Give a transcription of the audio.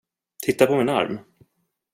Titta på min arm.